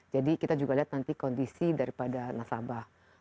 jadi kita juga lihat nanti kondisi daripada nasabah